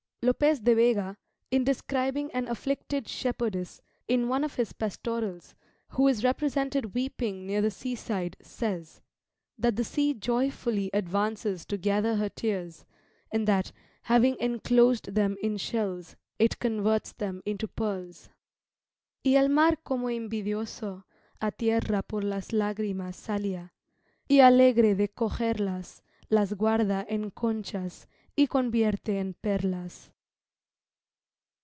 Lopez de Vega, in describing an afflicted shepherdess, in one of his pastorals, who is represented weeping near the sea side, says, "That the sea joyfully advances to gather her tears; and that, having enclosed them in shells, it converts them into pearls." "Y el mar como imbidioso A tierra por las lagrimas salia, Y alegre de cogerlas Las guarda en conchas, y convierte en perlas."